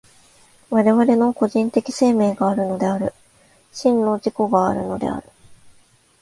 我々の個人的生命があるのである、真の自己があるのである。